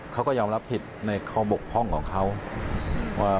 เขาก็ยอมรับผิดในความบกพ่องของเขา